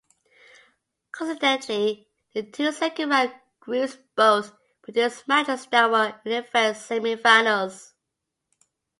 Coincidentally, the two second-round groups both produced matches that were, in effect, semi-finals.